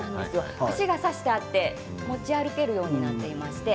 串が挿してあって持ち歩けるようになっています。